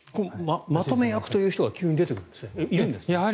まとめ役という人が急に出てくるんですねいるんですね。